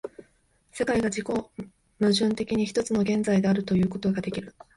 世界が自己矛盾的に一つの現在であるということができる。